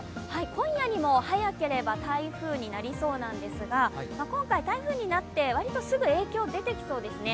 今夜にも早ければ台風になりそうなんですが、今回、台風になって割とすぐ影響が出てきそうですね。